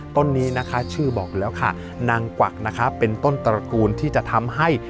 ต้นนี้นะคะชื่อบอกอยู่แล้วค่ะนางกวักนะคะเป็นต้นตระกูลที่จะทำให้